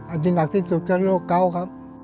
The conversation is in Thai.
อันที่หลักที่สุดก็คือโรคเก้าครับ